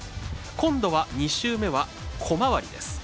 今度は２周目は小回りです。